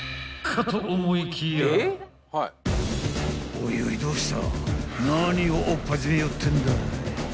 ［おいおいどうした？］